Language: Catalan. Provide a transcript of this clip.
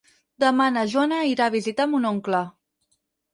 Demà na Joana irà a visitar mon oncle.